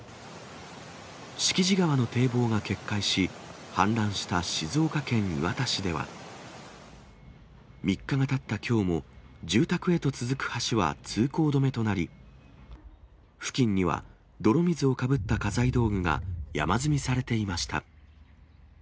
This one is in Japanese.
敷地川の堤防が決壊し、氾濫した静岡県磐田市では、３日がたったきょうも、住宅へと続く橋は通行止めとなり、付近には泥水をかぶった家財道具が山積みされていました。